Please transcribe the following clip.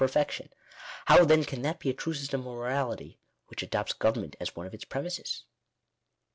| perfection." How, then, can that he a true system of morality f i which adopts government as one of its premises